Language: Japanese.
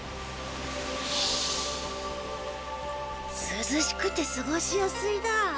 すずしくてすごしやすいだ。